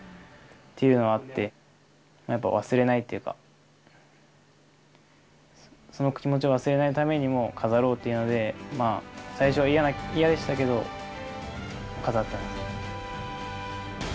というのはあって、やっぱ忘れないっていうか、その気持ちを忘れないためにも、飾ろうっていうので、最初は嫌でしたけど、飾ってます。